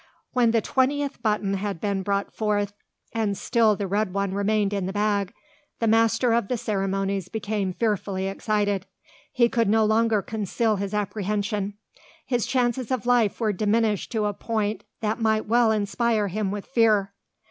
When the twentieth button had been brought forth, and still the red one remained in the bag, the master of the ceremonies became fearfully excited. He could no longer conceal his apprehension. His chances of life were diminished to a point that might well inspire him with fear.